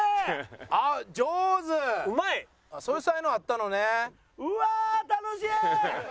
そういう才能あったのね。